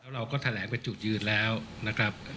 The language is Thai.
เราก็แถลงเป็นจุดยืนแล้วนะครับ